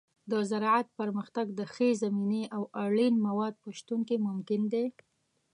د زراعت پرمختګ د ښې زمینې او اړین موادو په شتون کې ممکن دی.